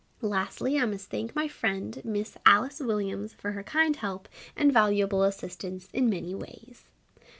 Lastly I must thank my friend Miss Alice Williams for her kind help and valuable assistance in many ways.